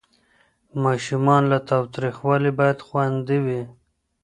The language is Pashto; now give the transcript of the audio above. ماشومان له تاوتریخوالي باید خوندي وي.